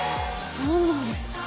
そうなんだ。